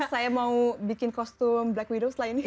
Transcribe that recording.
saya mau bikin kostum black widow setelah ini